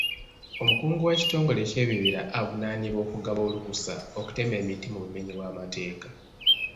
Omukungu w'ekitongole ky'ebibira avunaaanibwa okugaba olukusa okutema emiti mu bumenyi bw'amateeka.